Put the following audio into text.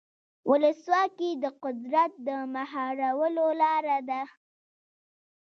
ولسواکي د قدرت د مهارولو لاره ده.